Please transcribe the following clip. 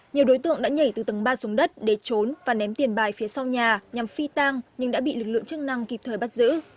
nhiều đối tượng đã nhảy từ tầng ba xuống đất để trốn và ném tiền bài phía sau nhà nhằm phi tang nhưng đã bị lực lượng chức năng kịp thời bắt giữ